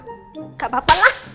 gak apa apa lah